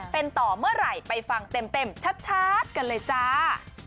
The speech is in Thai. เป็นต่อเมื่อไหร่ไปฟังเต็มชัดกันเลยจ้า